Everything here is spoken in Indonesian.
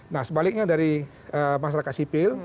nah sebaliknya dari masyarakat sipil